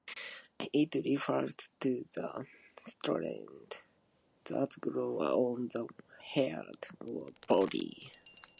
It refers to the strands that grow on the head or body.